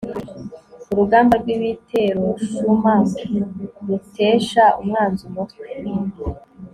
urugamba rw'ibiteroshuma rutesha umwanzi umutwe